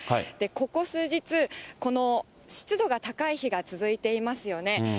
ここ数日、湿度が高い日が続いていますよね。